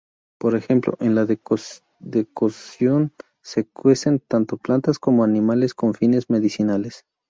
Por ejemplo, en la decocción se cuecen tanto plantas como animales con fines medicinales.